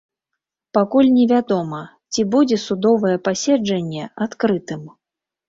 Пакуль невядома, ці будзе судовае паседжанне адкрытым.